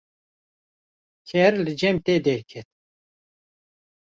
ker li cem te derket.